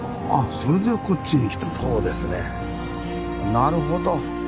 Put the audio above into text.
なるほど。